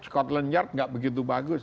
scotland geart nggak begitu bagus